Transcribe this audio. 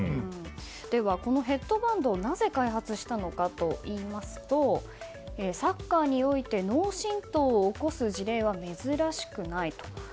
このヘッドバンドをなぜ開発したのかといいますとサッカーにおいて脳振とうを起こす事例は珍しくない。